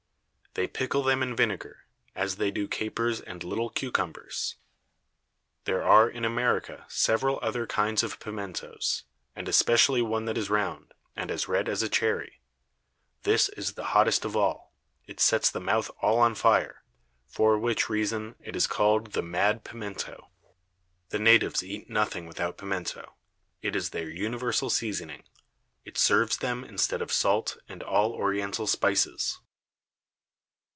They pickle them in Vinegar, as they do Capers and little Cucumbers. There are in America several other Kinds of Pimentoes, and especially one that is round, and as red as a Cherry. This is the hottest of all, it sets the Mouth all on fire; for which reason it is called the mad Pimento. The Natives eat nothing without Pimento, it is their universal Seasoning, it serves them instead of Salt, and all Oriental Spices.